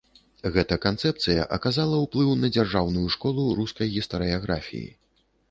Гэта канцэпцыя аказала ўплыў на дзяржаўную школу рускай гістарыяграфіі.